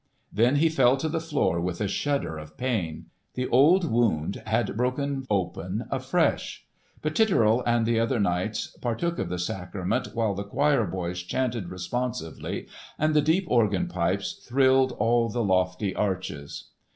Then he fell to the floor with a shudder of pain. The old wound had broken open afresh. But Titurel and the other knights partook of the sacrament, while the choir boys chanted responsively and the deep organ pipes thrilled all the lofty arches.